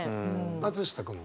松下君も？